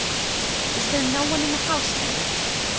"Is there no one in the house, then?"